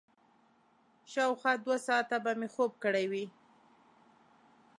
شاوخوا دوه ساعته به مې خوب کړی وي.